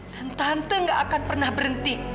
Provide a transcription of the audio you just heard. dan tante gak akan pernah berhenti